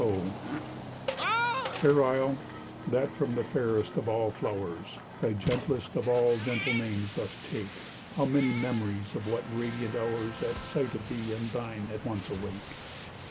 TO ZANTE Fair isle, that from the fairest of all flowers, Thy gentlest of all gentle names dost take How many memories of what radiant hours At sight of thee and thine at once awake!